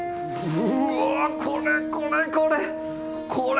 うわこれこれこれ！